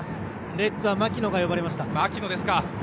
レッズは槙野が呼ばれました。